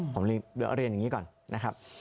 ผมเรียนอย่างนี้ก่อนนะครับ